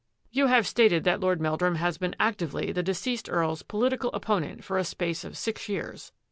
" You have stated that Lord Meldrum has been actively the deceased EarPs political opponent for a space of six years.